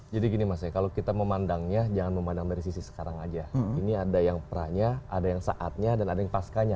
jadi gini mas ya kalau kita memandangnya jangan memandang dari sisi sekarang saja ini ada yang peranya ada yang saatnya dan ada yang paskanya